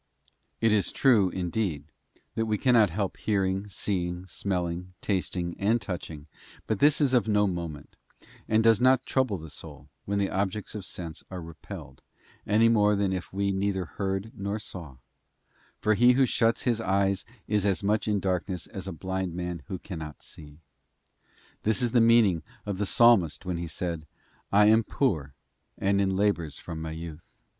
It is true, indeed, that we cannot help hearing, seeing, smelling, tasting, and touching, but this is of no moment, and does not trouble the soul, when the objects of sense are repelled, any more than if we neither heard nor saw; for he who shuts his eyes is as much in darkness as a blind man who cannot PASSAGE THROUGH THE NIGHT OF PRIVATION. 13 see. This is the meaning of the Psalmist when he said, cmap, 'I am poor and in labours from my youth.